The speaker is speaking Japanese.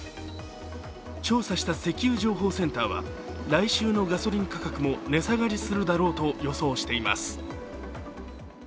調査した石油情報センターは来週のガソリン価格も値下がりするだろうと予想しています。